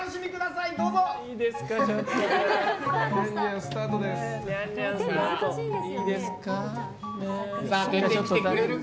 いいですか？